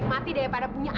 meme silahkan masuk